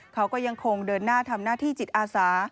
เขาก็ยังคงเดินหน้าทำหน้าที่จิตอาสา